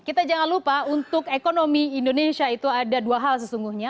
kita jangan lupa untuk ekonomi indonesia itu ada dua hal sesungguhnya